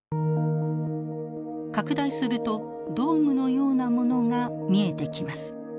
拡大するとドームのようなものが見えてきます。